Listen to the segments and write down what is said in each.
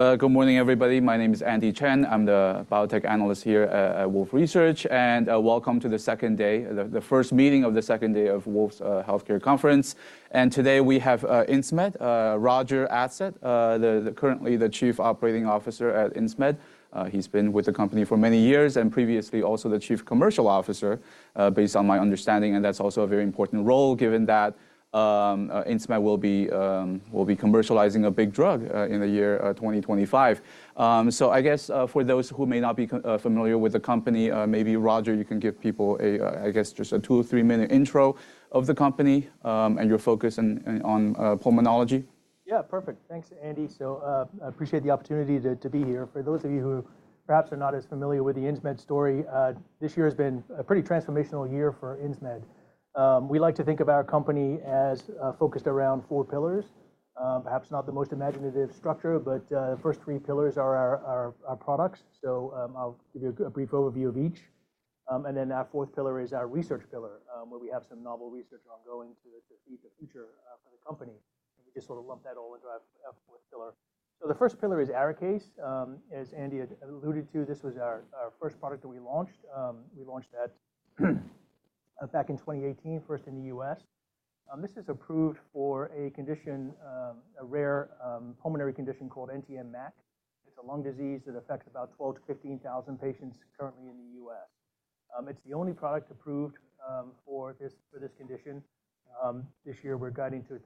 Good morning, everybody. My name is Andy Chen. I'm the biotech analyst here at Wolfe Research and welcome to the second day, the first meeting of the second day of Wolfe's healthcare conference, and today we have Insmed, Roger Adsett, currently the Chief Operating Officer at Insmed. He's been with the company for many years and previously also the Chief Commercial Officer, based on my understanding, and that's also a very important role given that Insmed will be commercializing a big drug in the year 2025, so I guess for those who may not be familiar with the company, maybe Roger, you can give people, I guess, just a two or three-minute intro of the company and your focus on pulmonology. Yeah, perfect. Thanks, Andy. So I appreciate the opportunity to be here. For those of you who perhaps are not as familiar with the Insmed story, this year has been a pretty transformational year for Insmed. We like to think about our company as focused around four pillars, perhaps not the most imaginative structure, but the first three pillars are our products. So I'll give you a brief overview of each. And then our fourth pillar is our research pillar, where we have some novel research ongoing to feed the future for the company. And we just sort of lump that all into our fourth pillar. So the first pillar is Arikayce. As Andy alluded to, this was our first product that we launched. We launched that back in 2018, first in the U.S. This is approved for a condition, a rare pulmonary condition called NTM MAC. It's a lung disease that affects about 12,000-15,000 patients currently in the U.S. It's the only product approved for this condition. This year, we're guiding to $340-$360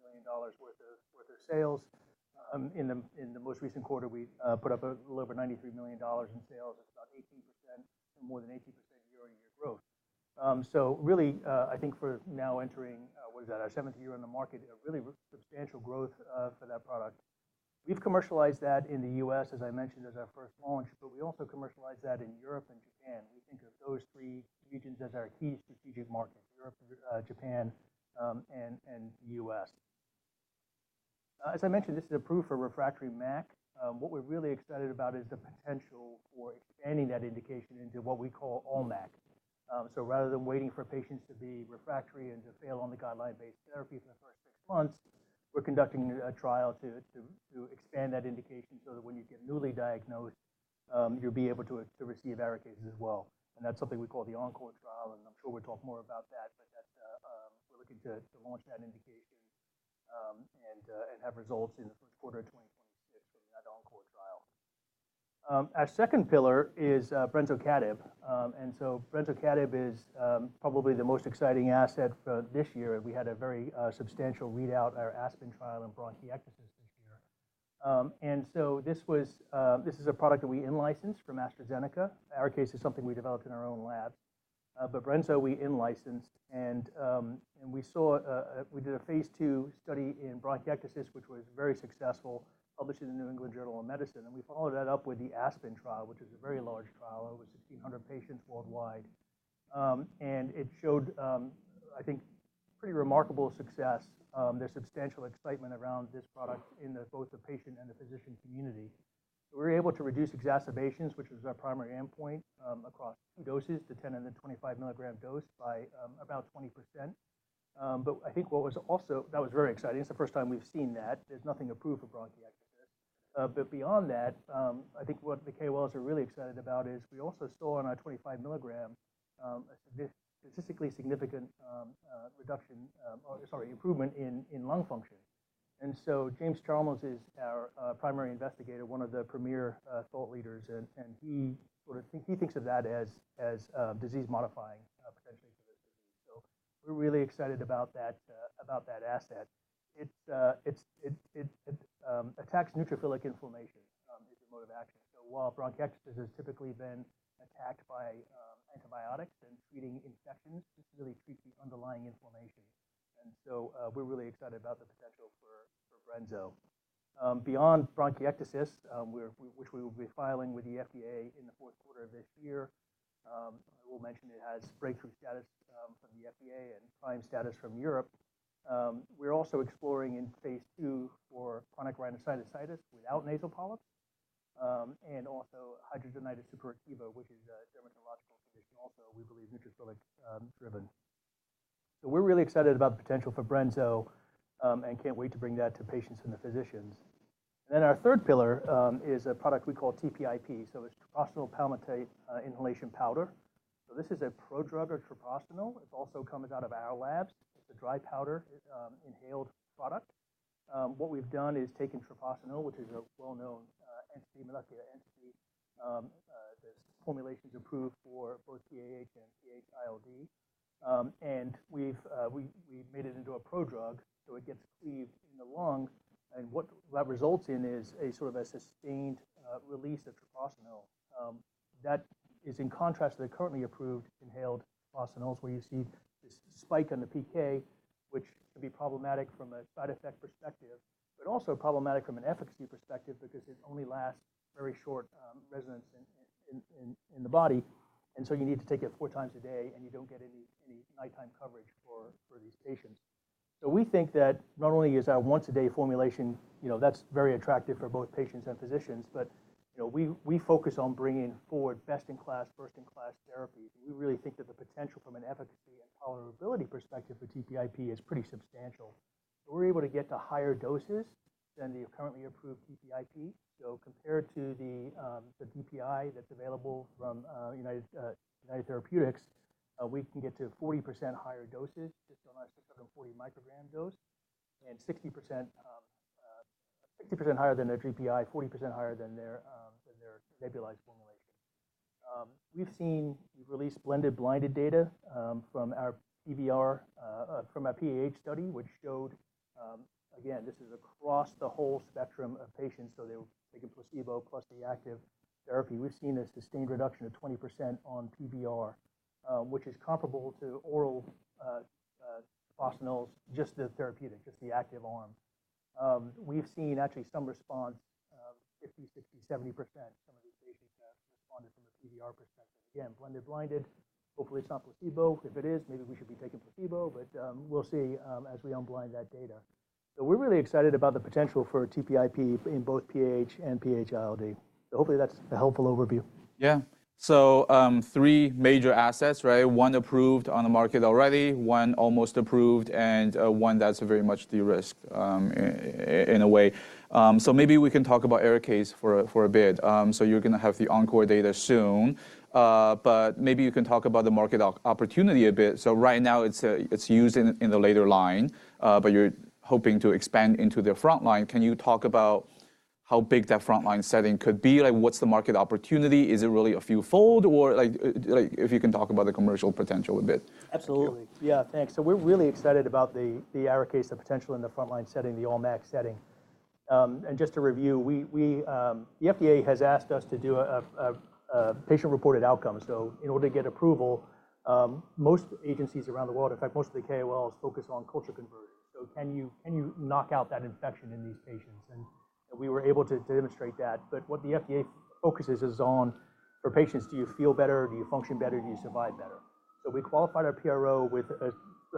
million worth of sales. In the most recent quarter, we put up a little over $93 million in sales. It's about 18%, more than 18% year-on-year growth. So really, I think for now entering, what is that, our seventh year on the market, a really substantial growth for that product. We've commercialized that in the U.S., as I mentioned, as our first launch. But we also commercialized that in Europe and Japan. We think of those three regions as our key strategic markets: Europe, Japan, and the U.S. As I mentioned, this is approved for refractory MAC. What we're really excited about is the potential for expanding that indication into what we call all MAC. So rather than waiting for patients to be refractory and to fail on the guideline-based therapy for the first six months, we're conducting a trial to expand that indication so that when you get newly diagnosed, you'll be able to receive Arikayce as well, and that's something we call the Encore trial, and I'm sure we'll talk more about that, but we're looking to launch that indication and have results in the first quarter of 2026 from that Encore trial. Our second pillar is Brensocatib, and so Brensocatib is probably the most exciting asset for this year, and we had a very substantial readout, our Aspen trial in bronchiectasis this year, and so this is a product that we in-licensed from AstraZeneca. Arikayce is something we developed in our own lab, but Brento, we in-licensed. We did a phase two study in bronchiectasis, which was very successful, published in the New England Journal of Medicine. We followed that up with the Aspen trial, which is a very large trial. It was 1,600 patients worldwide. It showed, I think, pretty remarkable success. There's substantial excitement around this product in both the patient and the physician community. We were able to reduce exacerbations, which was our primary endpoint, across two doses, the 10 and the 25 milligram dose, by about 20%. But I think what was also very exciting. It's the first time we've seen that. There's nothing approved for bronchiectasis. But beyond that, I think what the KOLs are really excited about is we also saw on our 25 milligram a statistically significant reduction, or sorry, improvement in lung function. And so James Chalmers is our primary investigator, one of the premier thought leaders. And he thinks of that as disease-modifying potentially for this disease. So we're really excited about that asset. It attacks neutrophilic inflammation as a mode of action. So while bronchiectasis has typically been attacked by antibiotics and treating infections, this really treats the underlying inflammation. And so we're really excited about the potential for Brensocatib. Beyond bronchiectasis, which we will be filing with the FDA in the fourth quarter of this year, I will mention it has breakthrough status from the FDA and prime status from Europe. We're also exploring in phase 2 for chronic rhinosinusitis without nasal polyps and also hidradenitis suppurativa, which is a dermatological condition also we believe neutrophilic driven. So we're really excited about the potential for Brensocatib and can't wait to bring that to patients and the physicians. Our third pillar is a product we call TPIP. It's treprostinil palmitate inhalation powder. This is a prodrug of treprostinil. It also comes out of our labs. It's a dry powder inhaled product. What we've done is taken treprostinil, which is a well-known active molecular entity. This formulation is approved for both PAH and PH-ILD. We've made it into a prodrug. It gets cleaved in the lungs. What that results in is a sort of a sustained release of treprostinil. That is in contrast to the currently approved inhaled treprostinils, where you see this spike on the PK, which can be problematic from a side effect perspective, but also problematic from an efficacy perspective because it only lasts very short residence in the body. And so you need to take it four times a day, and you don't get any nighttime coverage for these patients. So we think that not only is our once-a-day formulation, that's very attractive for both patients and physicians, but we focus on bringing forward best-in-class, first-in-class therapies. And we really think that the potential from an efficacy and tolerability perspective for TPIP is pretty substantial. So we're able to get to higher doses than the currently approved TPIP. So compared to the DPI that's available from United Therapeutics, we can get to 40% higher doses just on our 640 microgram dose and 60% higher than their DPI, 40% higher than their nebulized formulation. We've seen we've released blended blinded data from our PVR, from our PAH study, which showed, again, this is across the whole spectrum of patients. So they can placebo plus the active therapy. We've seen a sustained reduction of 20% on PVR, which is comparable to oral treprostinil, just the therapeutic, just the active arm. We've seen actually some response, 50%, 60%, 70%, some of these patients have responded from a PVR perspective. Again, blended blinded, hopefully it's not placebo. If it is, maybe we should be taking placebo, but we'll see as we unblind that data, so we're really excited about the potential for TPIP in both PAH and PH-ILD. Hopefully that's a helpful overview. Yeah. So three major assets, right? One approved on the market already, one almost approved, and one that's very much de-risked in a way. So maybe we can talk about Arikayce for a bit. So you're going to have the Encore data soon. But maybe you can talk about the market opportunity a bit. So right now it's used in the later line, but you're hoping to expand into the front line. Can you talk about how big that front line setting could be? What's the market opportunity? Is it really a few-fold? Or if you can talk about the commercial potential a bit. Absolutely. Yeah, thanks, so we're really excited about the Arikayce, the potential in the front line setting, the early MAC setting. And just to review, the FDA has asked us to do a patient-reported outcome, so in order to get approval, most agencies around the world, in fact, most of the KOLs focus on culture conversion, so can you knock out that infection in these patients? And we were able to demonstrate that. But what the FDA focuses is on for patients, do you feel better? Do you function better? Do you survive better? So we qualified our PRO with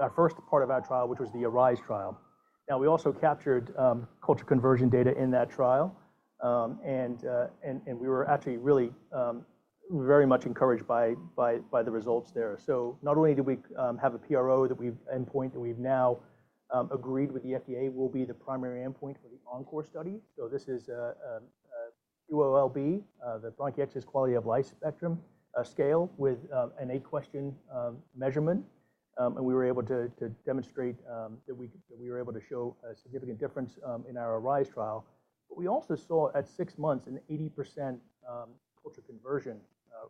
our first part of our trial, which was the ARISE trial. Now, we also captured culture conversion data in that trial, and we were actually really very much encouraged by the results there. So not only do we have a PRO that we've endpointed, we've now agreed with the FDA will be the primary endpoint for the Encore study. So this is QOL-B, the Bronchiectasis Quality of Life Spectrum Scale with an eight-question measurement. And we were able to demonstrate that we were able to show a significant difference in our ARISE trial. But we also saw at six months an 80% culture conversion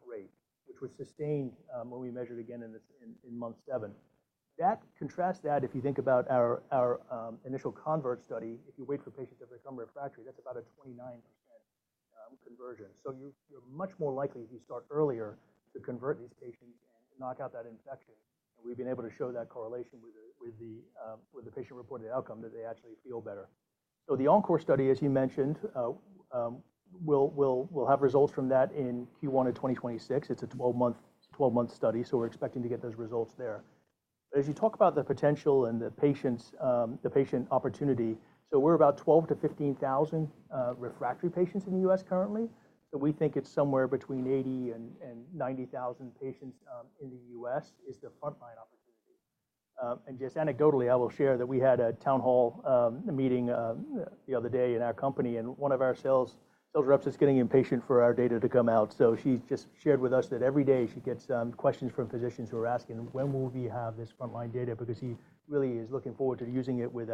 rate, which was sustained when we measured again in month seven. That contrasts that if you think about our initial CONVERT study. If you wait for patients to become refractory, that's about a 29% conversion. So you're much more likely, if you start earlier, to CONVERT these patients and knock out that infection. And we've been able to show that correlation with the patient-reported outcome that they actually feel better. The Encore study, as you mentioned, we'll have results from that in Q1 of 2026. It's a 12-month study. We're expecting to get those results there. But as you talk about the potential and the patient opportunity, so we're about 12,000-15,000 refractory patients in the U.S. currently. We think it's somewhere between 80,000 and 90,000 patients in the U.S. is the front line opportunity. Just anecdotally, I will share that we had a town hall meeting the other day in our company. One of our sales reps is getting impatient for our data to come out. She just shared with us that every day she gets questions from physicians who are asking, when will we have this front line data? Because he really is looking forward to using it with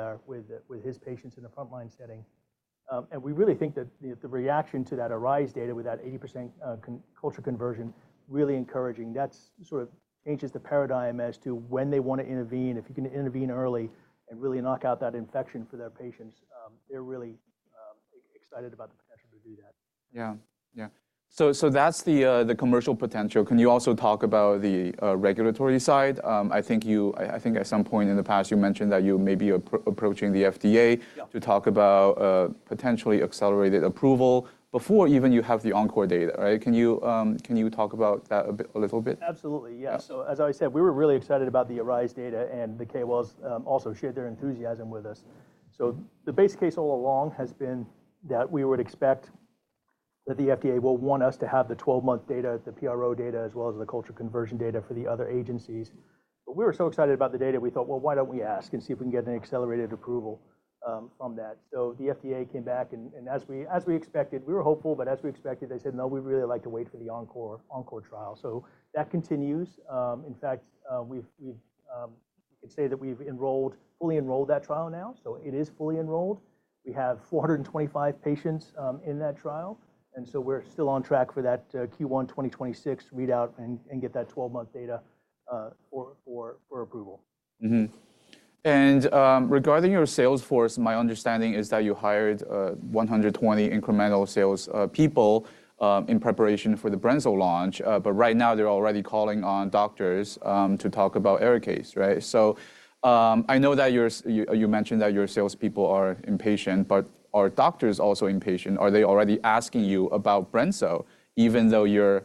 his patients in the front line setting. And we really think that the reaction to that ARISE data with that 80% culture conversion is really encouraging. That sort of changes the paradigm as to when they want to intervene. If you can intervene early and really knock out that infection for their patients, they're really excited about the potential to do that. Yeah, yeah. So that's the commercial potential. Can you also talk about the regulatory side? I think at some point in the past, you mentioned that you may be approaching the FDA to talk about potentially accelerated approval before even you have the Encore data, right? Can you talk about that a little bit? Absolutely, yes. So as I said, we were really excited about the ARISE data. And the KOLs also shared their enthusiasm with us. So the base case all along has been that we would expect that the FDA will want us to have the 12-month data, the PRO data, as well as the culture conversion data for the other agencies. But we were so excited about the data, we thought, well, why don't we ask and see if we can get an accelerated approval from that? So the FDA came back. And as we expected, we were hopeful. But as we expected, they said, no, we'd really like to wait for the Encore trial. So that continues. In fact, we can say that we've fully enrolled that trial now. So it is fully enrolled. We have 425 patients in that trial. And so we're still on track for that Q1 2026 readout and get that 12-month data for approval. Regarding your sales force, my understanding is that you hired 120 incremental salespeople in preparation for the Brensocatib launch. But right now, they're already calling on doctors to talk about Arikayce, right? So I know that you mentioned that your salespeople are impatient. But are doctors also impatient? Are they already asking you about Brensocatib even though you're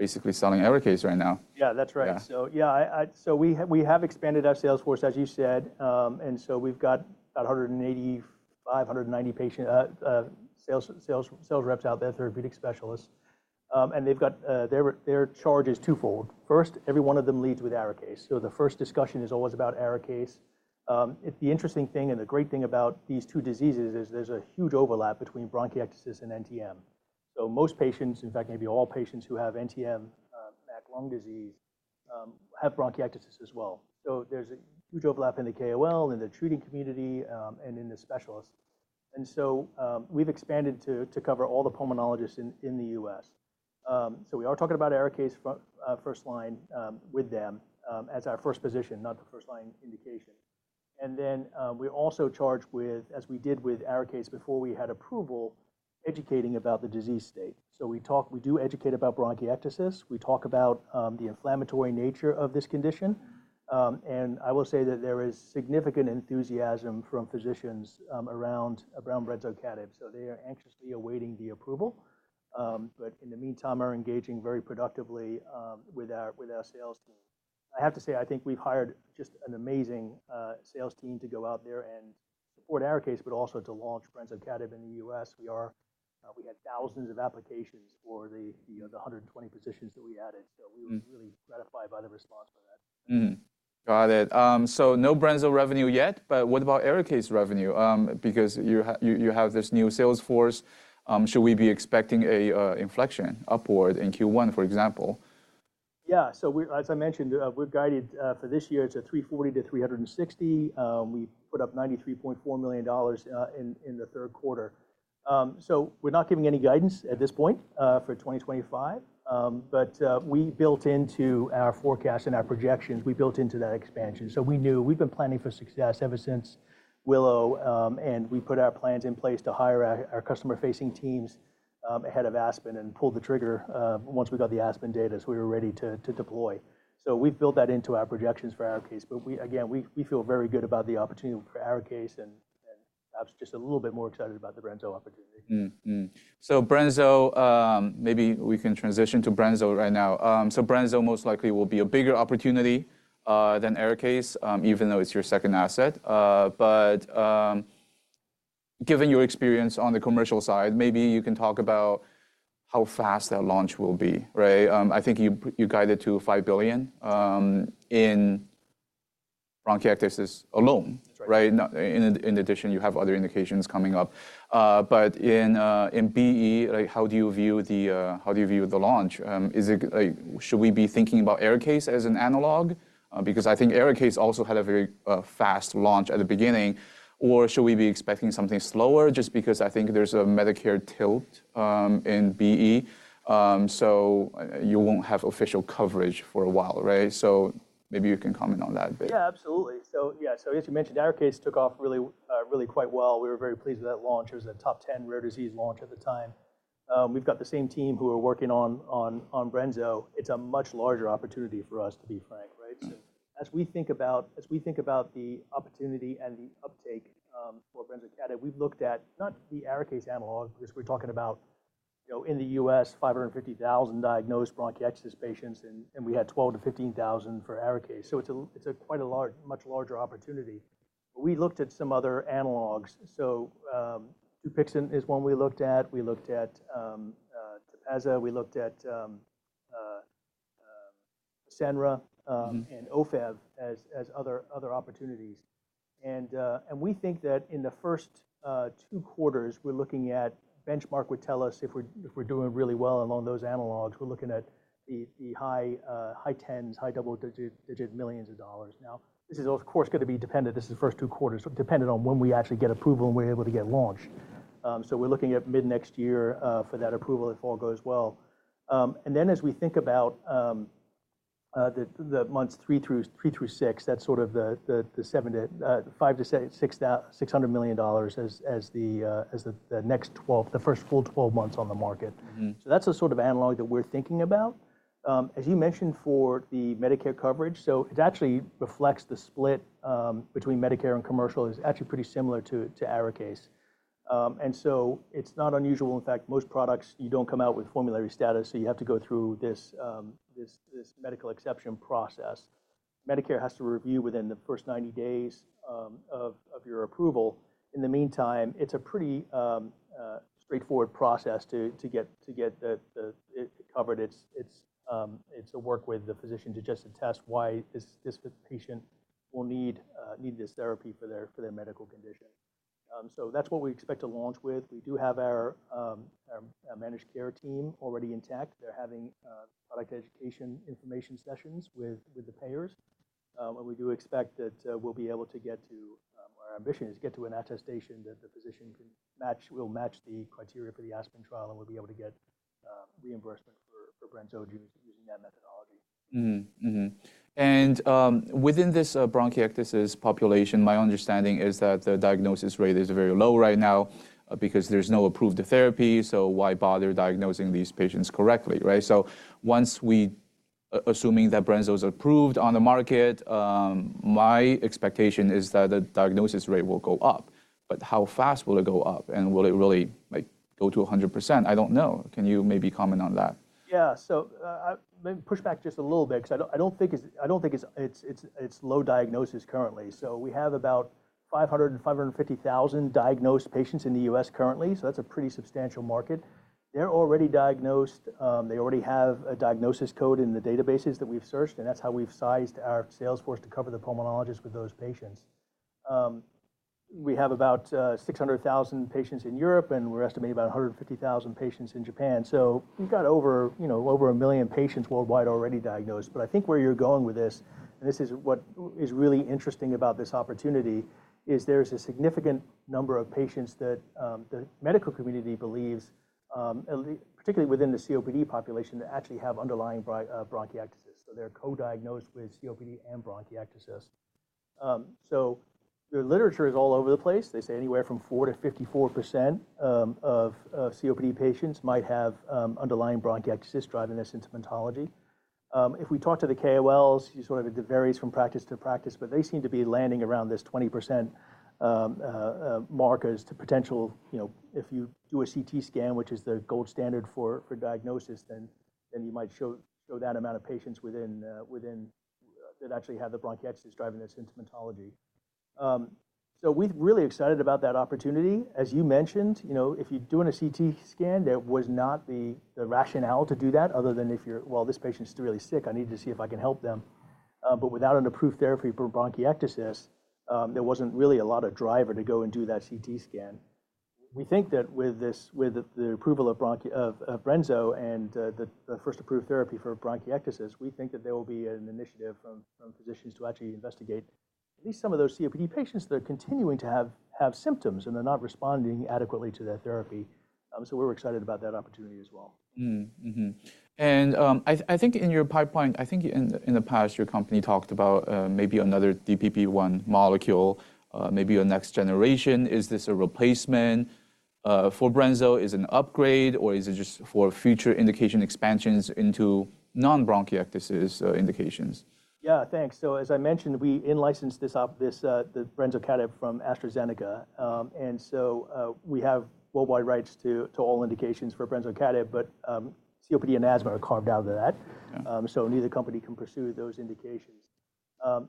basically selling Arikayce right now? Yeah, that's right. So yeah, so we have expanded our sales force, as you said. And so we've got about 185-190 patient sales reps out there, therapeutic specialists. And their charge is twofold. First, every one of them leads with Arikayce. So the first discussion is always about Arikayce. The interesting thing and the great thing about these two diseases is there's a huge overlap between bronchiectasis and NTM. So most patients, in fact, maybe all patients who have NTM, MAC lung disease, have bronchiectasis as well. So there's a huge overlap in the KOL, in the treating community, and in the specialists. And so we've expanded to cover all the pulmonologists in the U.S. So we are talking about Arikayce first line with them as our first position, not the first line indication. And then we're also charged with, as we did with Arikayce before we had approval, educating about the disease state. So we do educate about bronchiectasis. We talk about the inflammatory nature of this condition. And I will say that there is significant enthusiasm from physicians around Brensocatib. So they are anxiously awaiting the approval. But in the meantime, we are engaging very productively with our sales team. I have to say, I think we've hired just an amazing sales team to go out there and support Arikayce, but also to launch Brensocatib in the US. We had thousands of applications for the 120 positions that we added. So we were really gratified by the response for that. Got it. So no Brensocatib revenue yet. But what about Arikayce revenue? Because you have this new sales force. Should we be expecting an inflection upward in Q1, for example? Yeah. So as I mentioned, we've guided for this year to $340-$360 million. We put up $93.4 million in the third quarter. So we're not giving any guidance at this point for 2025. But we built into our forecast and our projections, we built into that expansion. So we knew we've been planning for success ever since Willow. And we put our plans in place to hire our customer-facing teams ahead of Aspen and pulled the trigger once we got the Aspen data so we were ready to deploy. So we've built that into our projections for Arikayce. But again, we feel very good about the opportunity for Arikayce and perhaps just a little bit more excited about the brensocatib opportunity. So maybe we can transition to Brensocatib right now. So Brensocatib most likely will be a bigger opportunity than Arikayce, even though it's your second asset. But given your experience on the commercial side, maybe you can talk about how fast that launch will be, right? I think you guided to $5 billion in bronchiectasis alone, right? In addition, you have other indications coming up. But in BE, how do you view the launch? Should we be thinking about Arikayce as an analog? Because I think Arikayce also had a very fast launch at the beginning. Or should we be expecting something slower just because I think there's a Medicare tilt in BE? So you won't have official coverage for a while, right? So maybe you can comment on that a bit. Yeah, absolutely. So yeah, so as you mentioned, Arikayce took off really quite well. We were very pleased with that launch. It was a top 10 rare disease launch at the time. We've got the same team who are working on Brensocatib. It's a much larger opportunity for us, to be frank, right? So as we think about the opportunity and the uptake for Brensocatib, we've looked at not the Arikayce analog, because we're talking about in the US, 550,000 diagnosed bronchiectasis patients. And we had 12,000-15,000 for Arikayce. So it's quite a much larger opportunity. We looked at some other analogs. So Dupixent is one we looked at. We looked at Tyvaso. We looked at Fasenra and Ofev as other opportunities. And we think that in the first two quarters, we're looking at benchmark would tell us if we're doing really well along those analogs. We're looking at the high 10s, high double-digit millions of dollars. Now, this is, of course, going to be dependent. This is the first two quarters dependent on when we actually get approval and we're able to get launched. We're looking at mid-next year for that approval if all goes well. Then as we think about the months three through six, that's sort of the $500 million-$600 million as the first full 12 months on the market. That's the sort of analog that we're thinking about. As you mentioned for the Medicare coverage, it actually reflects the split between Medicare and commercial is actually pretty similar to Arikayce. It's not unusual. In fact, most products, you don't come out with formulary status. You have to go through this medical exception process. Medicare has to review within the first 90 days of your approval. In the meantime, it's a pretty straightforward process to get covered. It's to work with the physician to just attest why this patient will need this therapy for their medical condition, so that's what we expect to launch with. We do have our managed care team already intact. They're having product education information sessions with the payers, and we do expect that we'll be able to get to our ambition is to get to an attestation that the physician will match the criteria for the Aspen trial, and we'll be able to get reimbursement for Brensocatib using that methodology. And within this bronchiectasis population, my understanding is that the diagnosis rate is very low right now because there's no approved therapy. So why bother diagnosing these patients correctly, right? So assuming that Brensocatib is approved on the market, my expectation is that the diagnosis rate will go up. But how fast will it go up? And will it really go to 100%? I don't know. Can you maybe comment on that? Yeah. So let me push back just a little bit because I don't think it's low diagnosis currently. So we have about 500,000 to 550,000 diagnosed patients in the U.S. currently. So that's a pretty substantial market. They're already diagnosed. They already have a diagnosis code in the databases that we've searched. And that's how we've sized our sales force to cover the pulmonologists with those patients. We have about 600,000 patients in Europe. And we're estimating about 150,000 patients in Japan. So we've got over a million patients worldwide already diagnosed. But I think where you're going with this, and this is what is really interesting about this opportunity, is there's a significant number of patients that the medical community believes, particularly within the COPD population, that actually have underlying bronchiectasis. So they're co-diagnosed with COPD and bronchiectasis. So the literature is all over the place. They say anywhere from 4%-54% of COPD patients might have underlying bronchiectasis driving their symptomatology. If we talk to the KOLs, sort of it varies from practice to practice. But they seem to be landing around this 20% mark as to potential. If you do a CT scan, which is the gold standard for diagnosis, then you might show that amount of patients that actually have the bronchiectasis driving their symptomatology. So we're really excited about that opportunity. As you mentioned, if you're doing a CT scan, there was not the rationale to do that other than if you're, well, this patient's really sick. I need to see if I can help them. But without an approved therapy for bronchiectasis, there wasn't really a lot of driver to go and do that CT scan. We think that with the approval of Brensocatib and the first approved therapy for bronchiectasis, we think that there will be an initiative from physicians to actually investigate at least some of those COPD patients that are continuing to have symptoms and they're not responding adequately to their therapy, so we're excited about that opportunity as well. I think in your pipeline, I think in the past, your company talked about maybe another DPP-1 molecule, maybe a next generation. Is this a replacement for Brensocatib? Is it an upgrade? Or is it just for future indication expansions into non-bronchiectasis indications? Yeah, thanks. So as I mentioned, we in-licensed the Brensocatib from AstraZeneca. And so we have worldwide rights to all indications for Brensocatib. But COPD and asthma are carved out of that. So neither company can pursue those indications.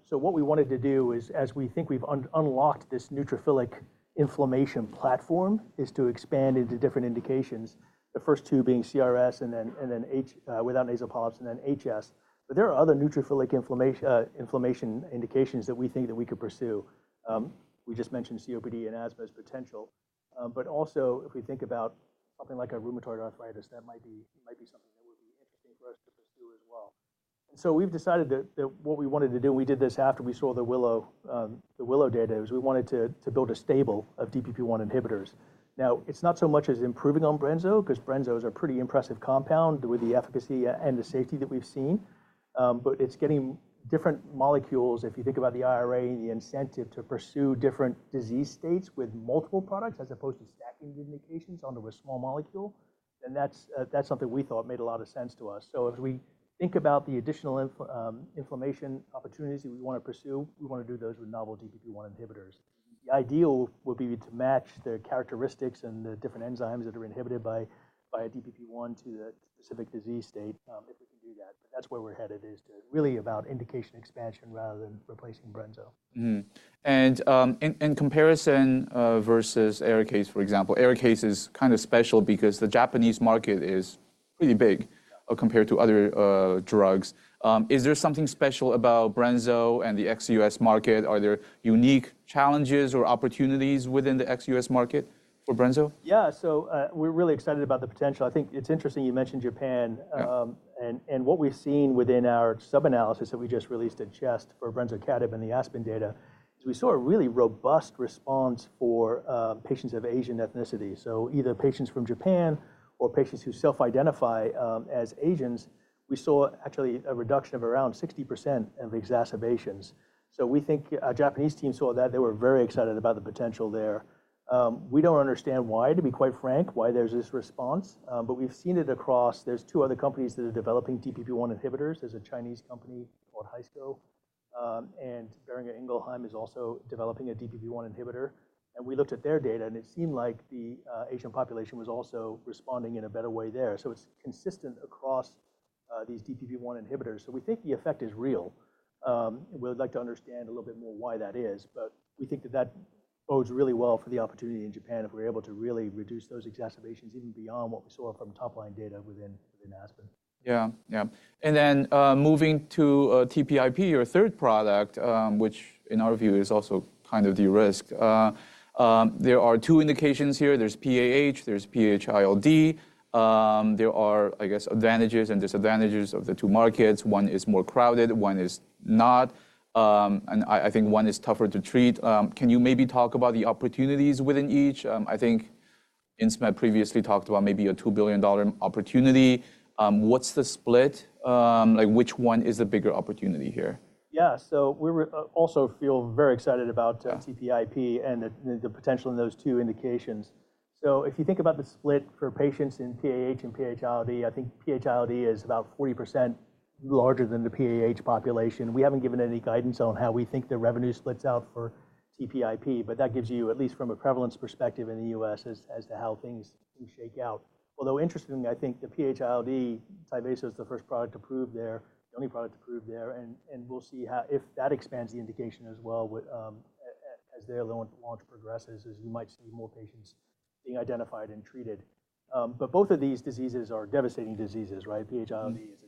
So what we wanted to do is, as we think we've unlocked this neutrophilic inflammation platform, is to expand into different indications, the first two being CRS and then without nasal polyps and then HS. But there are other neutrophilic inflammation indications that we think that we could pursue. We just mentioned COPD and asthma as potential. But also, if we think about something like rheumatoid arthritis, that might be something that would be interesting for us to pursue as well. And so we've decided that what we wanted to do, and we did this after we saw the Willow data, is we wanted to build a stable of DPP-1 inhibitors. Now, it's not so much as improving on Brensocatib because Brensocatib is a pretty impressive compound with the efficacy and the safety that we've seen. But it's getting different molecules. If you think about the IRA and the incentive to pursue different disease states with multiple products as opposed to stacking the indications onto a small molecule, then that's something we thought made a lot of sense to us. So as we think about the additional inflammation opportunities that we want to pursue, we want to do those with novel DPP-1 inhibitors. The ideal would be to match the characteristics and the different enzymes that are inhibited by DPP-1 to the specific disease state if we can do that. But that's where we're headed, is really about indication expansion rather than replacing Brensocatib. In comparison versus Arikayce, for example, Arikayce is kind of special because the Japanese market is pretty big compared to other drugs. Is there something special about brensocatib and the ex-US market? Are there unique challenges or opportunities within the ex-US market for brensocatib? Yeah. So we're really excited about the potential. I think it's interesting you mentioned Japan. And what we've seen within our sub-analysis that we just released at CHEST for brensocatib and the Aspen data is we saw a really robust response for patients of Asian ethnicity. So either patients from Japan or patients who self-identify as Asians, we saw actually a reduction of around 60% of exacerbations. So we think our Japanese team saw that. They were very excited about the potential there. We don't understand why, to be quite frank, why there's this response. But we've seen it across. There's two other companies that are developing DPP-1 inhibitors. There's a Chinese company called Haisco. And Boehringer Ingelheim is also developing a DPP-1 inhibitor. And we looked at their data. And it seemed like the Asian population was also responding in a better way there. So it's consistent across these DPP-1 inhibitors. So we think the effect is real. We'd like to understand a little bit more why that is. But we think that that bodes really well for the opportunity in Japan if we're able to really reduce those exacerbations even beyond what we saw from top-line data within Aspen. Yeah, yeah. And then moving to TPIP, your third product, which in our view is also kind of de-risked, there are two indications here. There's PAH. There's PH-ILD. There are, I guess, advantages and disadvantages of the two markets. One is more crowded. One is not, and I think one is tougher to treat. Can you maybe talk about the opportunities within each? I think Insmed previously talked about maybe a $2 billion opportunity. What's the split? Which one is the bigger opportunity here? Yeah. So we also feel very excited about TPIP and the potential in those two indications. So if you think about the split for patients in PAH and PH-ILD, I think PH-ILD is about 40% larger than the PAH population. We haven't given any guidance on how we think the revenue splits out for TPIP. But that gives you, at least from a prevalence perspective in the U.S., as to how things shake out. Although interestingly, I think the PH-ILD, Tyvasco is the first product approved there, the only product approved there. And we'll see if that expands the indication as well as their launch progresses, as you might see more patients being identified and treated. But both of these diseases are devastating diseases, right? PH-ILD is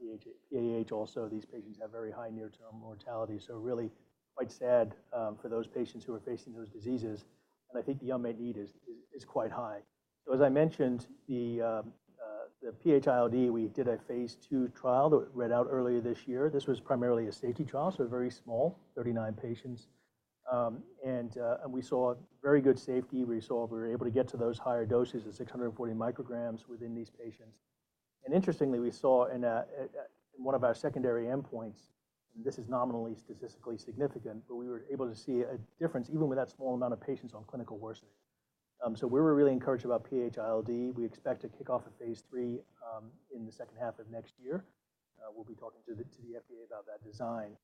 a death sentence. PAH also, these patients have very high near-term mortality. So really quite sad for those patients who are facing those diseases. And I think the unmet need is quite high. So as I mentioned, the PHILD, we did a phase 2 trial that we read out earlier this year. This was primarily a safety trial. So very small, 39 patients. And we saw very good safety. We saw we were able to get to those higher doses of 640 micrograms within these patients. And interestingly, we saw in one of our secondary endpoints, and this is nominally statistically significant, but we were able to see a difference even with that small amount of patients on clinical worsening. So we were really encouraged about PHILD. We expect to kick off a phase 3 in the second half of next year. We'll be talking to the FDA about that design.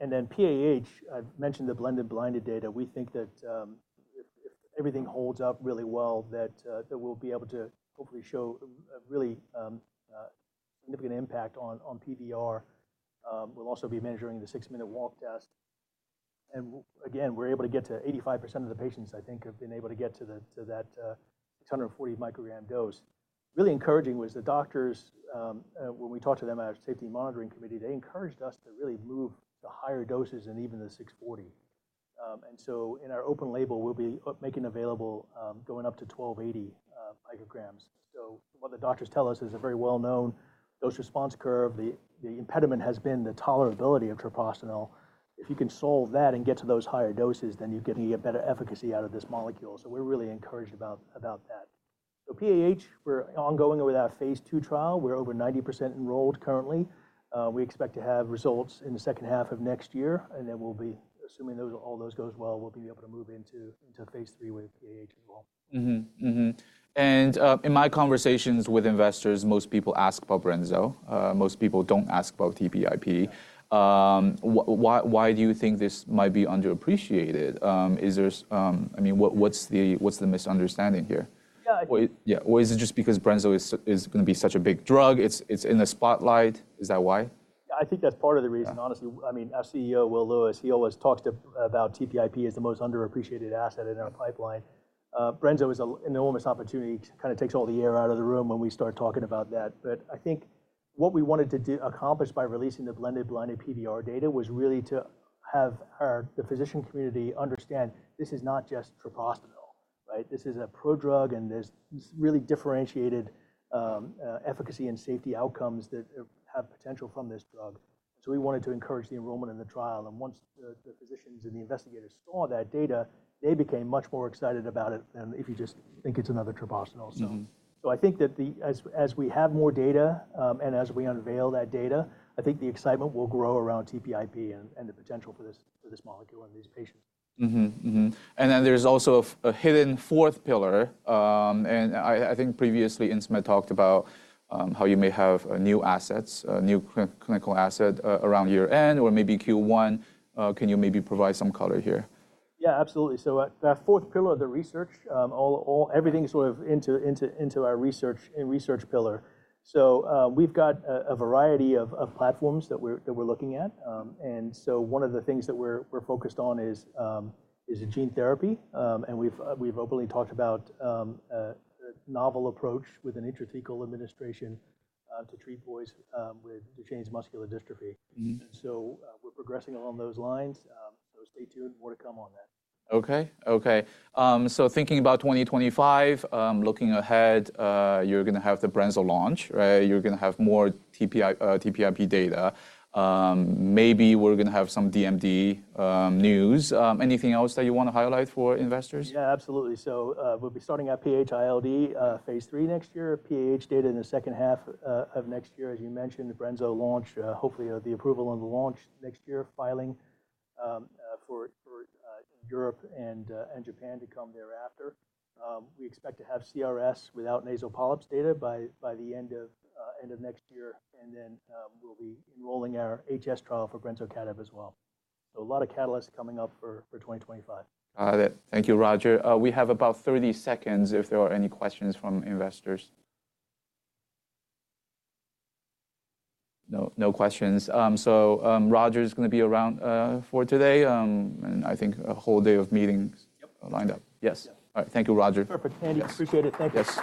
And then PAH, I mentioned the blended blinded data. We think that if everything holds up really well, that we'll be able to hopefully show a really significant impact on PVR. We'll also be measuring the six-minute walk test. And again, we're able to get to 85% of the patients, I think, have been able to get to that 640 microgram dose. Really encouraging was the doctors. When we talked to them, our safety monitoring committee, they encouraged us to really move to higher doses than even the 640. And so in our open label, we'll be making available going up to 1280 micrograms. So what the doctors tell us is a very well-known dose response curve. The impediment has been the tolerability of treprostinil. If you can solve that and get to those higher doses, then you're going to get better efficacy out of this molecule. So we're really encouraged about that. So PAH, we're ongoing with our phase two trial. We're over 90% enrolled currently. We expect to have results in the second half of next year. And then we'll be assuming all those goes well, we'll be able to move into phase three with PAH as well. In my conversations with investors, most people ask about brensocatib. Most people don't ask about TPIP. Why do you think this might be underappreciated? I mean, what's the misunderstanding here? Yeah. Or is it just because brensocatib is going to be such a big drug? It's in the spotlight. Is that why? I think that's part of the reason. Honestly, I mean, our CEO, Will Lewis, he always talks about TPIP as the most underappreciated asset in our pipeline. Brensocatib is an enormous opportunity. It kind of takes all the air out of the room when we start talking about that. But I think what we wanted to accomplish by releasing the blended blinded PBR data was really to have the physician community understand this is not just treprostinil, right? This is a pro-drug. And there's really differentiated efficacy and safety outcomes that have potential from this drug. So we wanted to encourage the enrollment in the trial. And once the physicians and the investigators saw that data, they became much more excited about it than if you just think it's another treprostinil. I think that as we have more data and as we unveil that data, I think the excitement will grow around TPIP and the potential for this molecule and these patients. There is also a hidden fourth pillar. I think previously Insmed talked about how you may have new assets, a new clinical asset around year end or maybe Q1. Can you maybe provide some color here? Yeah, absolutely. So that fourth pillar of the research, everything is sort of into our research pillar. So we've got a variety of platforms that we're looking at. And so one of the things that we're focused on is gene therapy. And we've openly talked about a novel approach with an intrathecal administration to treat boys with Duchenne muscular dystrophy. And so we're progressing along those lines. So stay tuned more to come on that. OK, OK. So thinking about 2025, looking ahead, you're going to have the Brento launch, right? You're going to have more TPIP data. Maybe we're going to have some DMD news. Anything else that you want to highlight for investors? Yeah, absolutely. So we'll be starting out PH-ILD phase 3 next year, PAH data in the second half of next year, as you mentioned, brensocatib launch, hopefully the approval on the launch next year, filing for Europe and Japan to come thereafter. We expect to have CRS without nasal polyps data by the end of next year, and then we'll be enrolling our HS trial for brensocatib as well, so a lot of catalysts coming up for 2025. Got it. Thank you, Roger. We have about 30 seconds if there are any questions from investors. No questions, so Roger is going to be around for today, and I think a whole day of meetings lined up. Yes. All right. Thank you, Roger. Thanks for your participation. Appreciate it. Thank you.